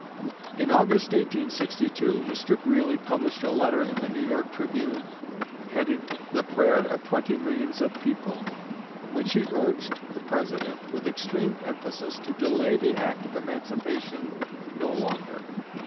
'" In August, 1862, Mr. Greeley published a letter in the New York "Tribune," headed "The prayer of twenty millions of people," in which he urged the President, with extreme emphasis, to delay the act of emancipation no longer.